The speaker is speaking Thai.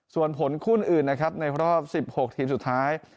ส่วนผลคู่อื่นนะครับในรอบ๑๖ทีมสุดท้าย